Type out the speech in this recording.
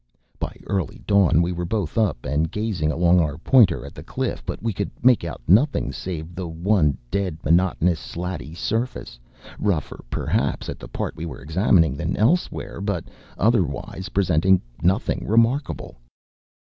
By early dawn we were both up, and gazing along our pointer at the cliff; but we could make out nothing save the one dead, monotonous, slaty surface, rougher perhaps at the part we were examining than elsewhere, but otherwise presenting nothing remarkable.